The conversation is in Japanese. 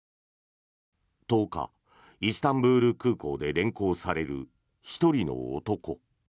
１０日、イスタンブール空港で連行される１人の男。